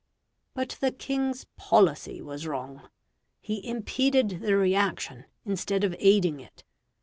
But the king's POLICY was wrong; he impeded the reaction instead of aiding it.